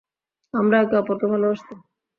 আমরা একে অপরকে ভালবাসতাম।